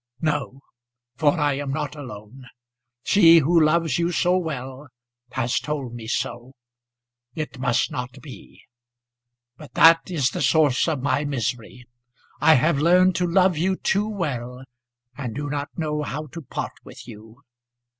"No; for I am not alone. She who loves you so well, has told me so. It must not be. But that is the source of my misery. I have learned to love you too well, and do not know how to part with you.